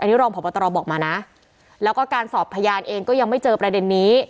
อันนี้รองพบตรบอกมานะแล้วก็การสอบพยานเองก็ยังไม่เจอประเด็นนี้